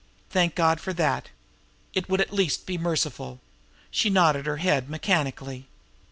Thank God for that! It would at least be merciful! She nodded her head mechanically.